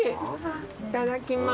いただきます。